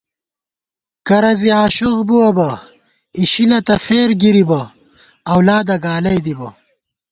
کرہ زی آشوخ بُوَہ بہ اِشِلہ تہ فېر گِرِبہ اؤلادہ گالَئی دِبہ